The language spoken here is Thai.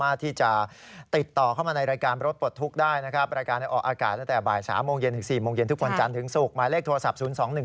รายการรถปลอดฮุกครับ